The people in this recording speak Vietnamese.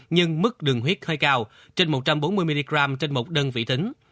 nhưng mức đường huyết hơi cao trên một trăm bốn mươi mg trên một đơn vị tính